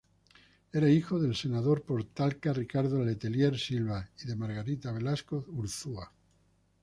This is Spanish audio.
Era hijo del senador por Talca Ricardo Letelier Silva y de Margarita Velasco Urzúa.